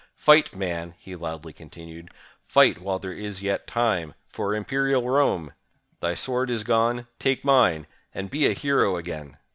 "Fight, man," he loudly continued — "fight, while there is yet time, for Imperial Rome! Thy sword is gone — take mine, and be a hero again!"